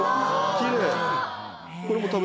きれい。